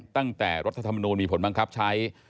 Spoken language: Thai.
ตั้งแต่รัฐธรรมนูนมีผลบังคับใช้